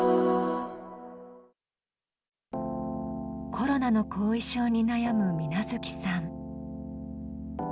コロナの後遺症に悩む水無月さん。